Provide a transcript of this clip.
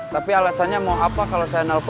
tapi alasannya mau apa kalau saya nelfon